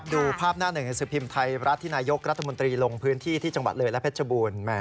ดูภาพหน้าหนึ่งหนังสือพิมพ์ไทยรัฐที่นายกรัฐมนตรีลงพื้นที่ที่จังหวัดเลยและเพชรบูรณ์